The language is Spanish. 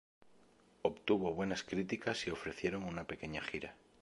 Obtuvo buenas críticas y ofrecieron una pequeña gira.